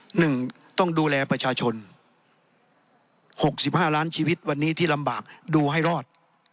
หนึ่งต้องดูแลประชาชนหกสิบห้าล้านชีวิตวันนี้ที่ลำบากดูให้รอด